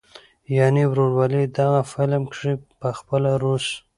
يعنې "وروولي". دغه فلم کښې پخپله روس